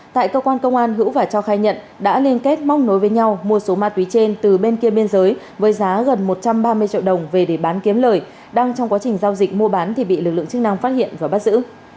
tại cơ quan công an hữu và cho khai nhận đã liên kết móc nối với nhau mua số ma túy trên từ bên kia biên giới với giá gần một trăm ba mươi triệu đồng về để bán kiếm lời đang trong quá trình giao dịch mua bán thì bị lực lượng chức năng phát hiện và bắt giữ